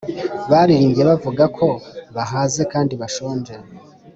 baririmbye bavuga ko bahaze kandi bashonje